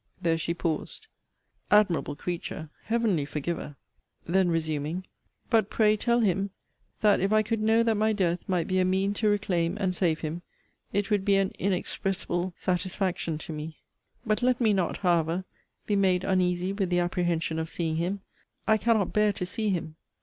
There she paused. Admirable creature! Heavenly forgiver! Then resuming but pray tell him, that if I could know that my death might be a mean to reclaim and save him, it would be an inexpressible satisfaction to me! But let me not, however, be made uneasy with the apprehension of seeing him. I cannot bear to see him!